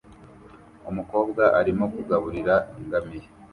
Umukobwa arimo kugaburira ingamiya